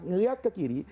ngelihat ke kiri